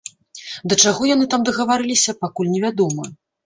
Да чаго яны там дагаварыліся, пакуль невядома.